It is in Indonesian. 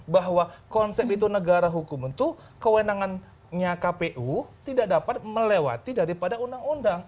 bahwa konsep itu negara hukum itu kewenangannya kpu tidak dapat melewati daripada undang undang